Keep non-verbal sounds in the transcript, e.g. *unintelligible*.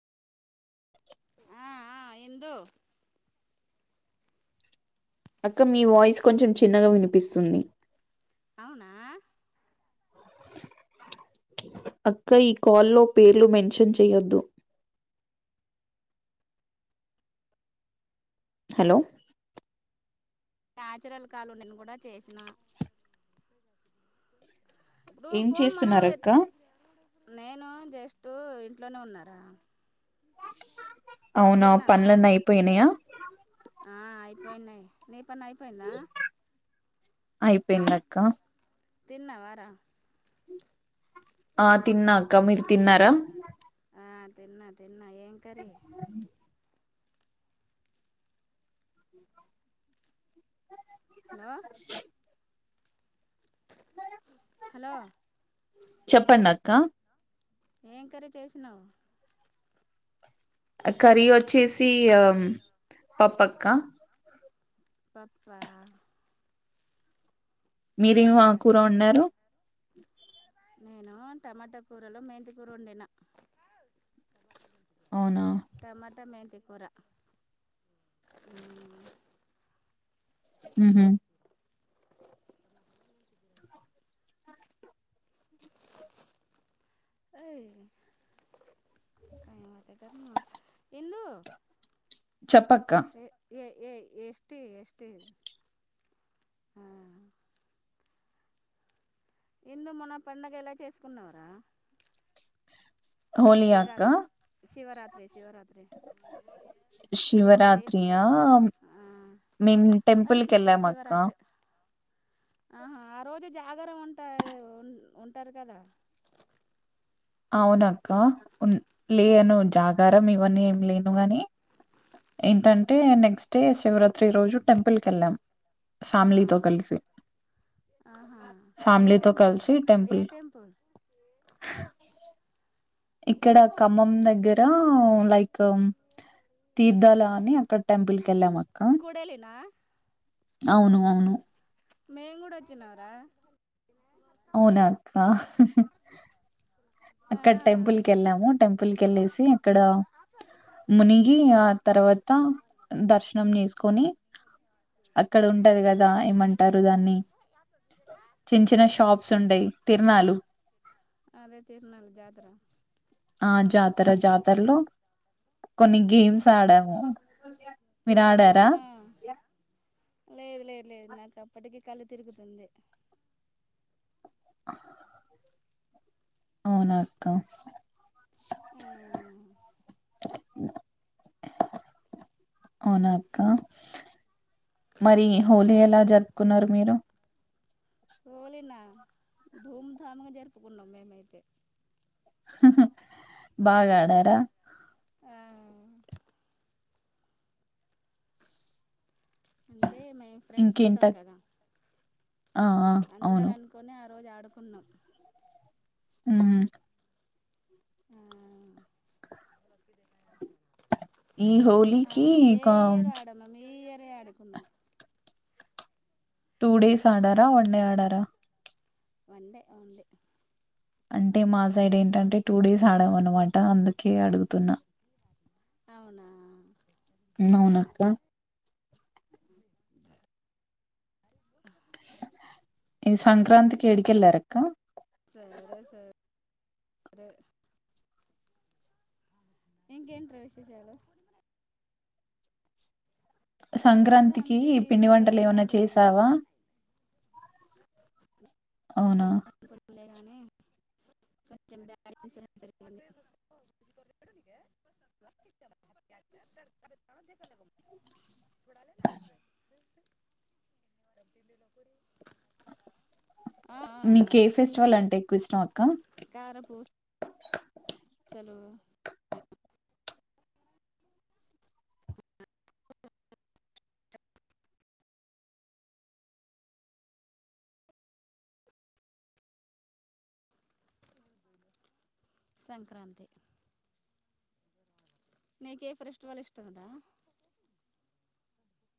ఆ ఆ ఇందు అక్క మీ వాయిస్ కొంచెం చిన్నగా వినిపిస్తుంది అవునా *unintelligible* *inaudible* అక్క ఈ కాల్లో పేర్లు మెన్షన్ చేయొద్దు హలో ఆయాచురల్ కాలు నేను కూడా చేసిన అప్పుడు ఏం ఫన్ మన చేస్తున్నారక్క నేను జస్టు ఇంట్లోనే ఉన్నారా అవునా తిన్నావా పనలేన్నా అయిపోయినయ ఆ అయిపోయిందియి నే పని అయిపోయిందా అయిపోయిందక్క తిన్నవారా ఆ తిన్నాక్క మీరు తిన్నారా ఆ తిన్నా తిన్నా ఏం కర హలో హలోలో చెప్పంన్నక్క ఏం కరే చేసినావు కర్రీ వచ్చేసి పప్పక్క పాప్పా మీరేమో ఆ సరే కూర ఉన్నారు నేను టమాటా కూరలో మేంతి కూర వండినా అవునా టమాట మేంత కొర హ ఏ ఇ కాంతక ఇంలో చెప్పక్క ఏ ఎస్ ఎస్ ఎందు మన పండగ ఎలా చేసుకున్నవరా హోలీ అక్క శివరాత్రి శివరాత్రి శివరాత్రి హోలీ ప శివరాత్రయా మేము ఆ టెంపుల్ క శివ వెళ్ళాం అక్క శివరాత్రి ఆహా ఆ రోజు జాగర ఉంట ఉంటారు కదా అవునక్క ఉ లేను జాగారం ఇవన్నీ ఏం లేను గాని ఏంటంటే నెక్స్ట్ డే శివరాత్రి రోజు టెంపుల్ క వెళ్ళాం ఆ ఫ్యామిలీతో కలిసి ఆహా ఏ ఫ్యామిలీతోో టెంపుల్ రా కలిసి ఏ టెంపుల్ ఇక్కడ ఖమ్మం దగ్గర లైక్ తీర్థాల అని అక్కడ టెంపుల్ క వెళ్ళాం కూడేలినా అవును అవును మే కూడాడ చిినవరా అవునాక్క ఆ అక్కడ టెంపుల్ క వెళ్ళాము టెంపుల్ క వెళ్ళేసి అక్కడ మునిగి ఆ తర్వాత దర్శనం చేేసుకొని అక్కడ ఉంటది కదా ఏమంటారు దాన్ని చిన్న చిన్న షాప్స్ ఉండయి తిరనాాలు తరునాలు జాతరా ఆ జాతర జాతరలో కొన్ని గేమ్స్ ఆడాము విరాడరా లే లేదు నాకు అప్పటికీ కళ్ళు తిరుగుతుంది ఆ అవునక్క ఆ అవునాక్క మరి హోలీ ఎలా జరుపుకున్నారు మీరు పోోలేనా ధూమ్ధామ్ జరుపుకుడున్నా మేమతే బాగా ఆడార ఆ అంటే మేము ఫ్రెండ్స్ ఇంకేంట ఉంటాం కదా ఆ ఆ అవును అందరు అనుకుని రోజు ఆడుకున్నా అ ఆ ఈ హోలీకి కం ఇ ఎడుకు టూ డేస్ ఆడారా వన్ డే ఆడారా వందే అవుండి అంటే మా సైడ్ ఏంటంటే టూ డేస్ ఆడామ అనమాట అందుకే అడుగుతున్నా అవునా నవునాక్క ఈది సంక్రాంతికి ఎడికి వెళ్ళారక్క అే ఇంకేంట విశేషాలు సంక్రాంతికి సంక్రాంతి ఈ పిండి ఇక్కడే వంటలు ఏమనా ఉన్నాను రా నేను చేసావా అవునా అని *unintelligible* *unintelligible* డబ్బిలల పూరి మీకి ఏ ఫెస్టివల్ అంటే ఎక్కువ ఇష్టం అక్క కార పూ చలువు *unintelligible* సంక్రాంతి నీకి ఏ ఫ్రెస్టివల్ ఇష్టం రా